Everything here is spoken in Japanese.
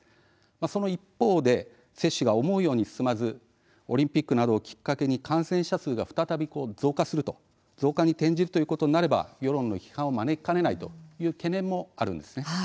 その一方で、接種が思うように進まずオリンピックなどをきっかけに感染者数が再び増加に転じるということになれば世論の批判を招きかねないという懸念もあるんです。